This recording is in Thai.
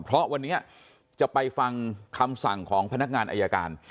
เพราะวันนี้จะไปฟังคำสั่งของพนักงานอายการ